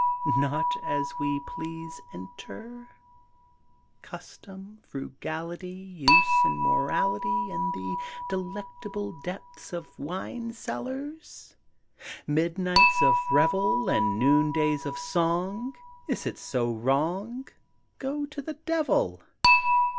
Not as we please inter Custom, frugality, Use and morality In the delectable Depths of wine cellars? Midnights of revel, And noondays of song! Is it so wrong? Go to the Devil!